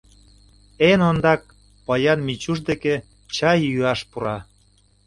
Эн ондак поян Мичуш деке чай йӱаш пура.